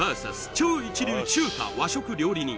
超一流中華和食料理人